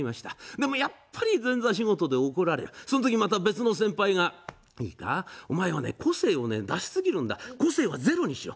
でもやっぱり前座仕事で怒られその時、また別の先輩がお前は個性を出しすぎだ個性はゼロにしろ。